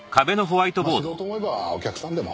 まあ知ろうと思えばお客さんでも。